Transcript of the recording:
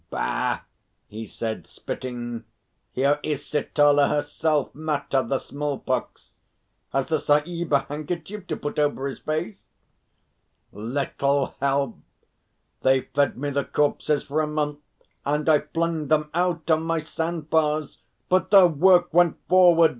"Bah!" he said, spitting. "Here is Sitala herself; Mata the small pox. Has the Sahib a handkerchief to put over his face?" "Little help! They fed me the corpses for a month, and I flung them out on my sand bars, but their work went forward.